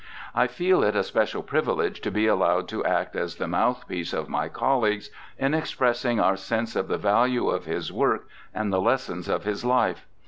I feel it a special privilege to be allowed to act as the mouthpiece of my colleagues in expressing our sense of the value of his work and the lessons of his life.